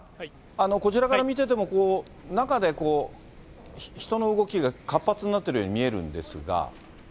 こちらから見てても、中で人の動きが活発になってるように見えるんですが。